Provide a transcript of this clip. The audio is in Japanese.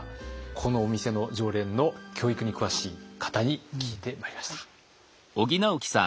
このお店の常連の教育に詳しい方に聞いてまいりました。